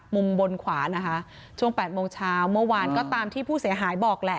มุมบนขวานะคะช่วง๘โมงเช้าเมื่อวานก็ตามที่ผู้เสียหายบอกแหละ